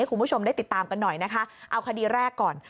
คุณผู้ชมได้ติดตามกันหน่อยนะคะเอาคดีแรกก่อน